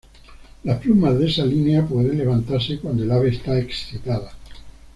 Las plumas de esa línea pueden levantarse cuando el ave está excitada.